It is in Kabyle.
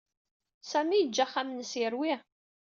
Sami yeǧǧa axxam-nnes yerwi.